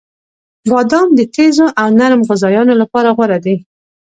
• بادام د تیزو او نرم غذایانو لپاره غوره دی.